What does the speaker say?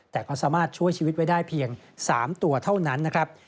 แต่ก็สามารถช่วยชีวิตไว้ได้เพียง๓ตัวเท่านั้นนะครับ